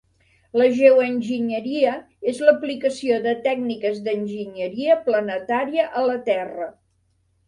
La geoenginyeria és l'aplicació de tècniques d'enginyeria planetària a la Terra.